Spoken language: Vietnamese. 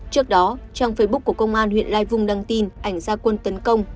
trước đó trang facebook của công an huyện lai vung đăng tin ảnh gia quân tấn công